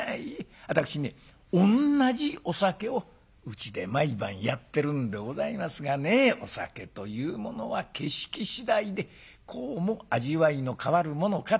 私ね同じお酒をうちで毎晩やってるんでございますがねお酒というものは景色次第でこうも味わいの変わるものかと。